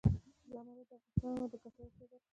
زمرد د افغانانو د ګټورتیا برخه ده.